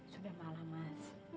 sudah malam mas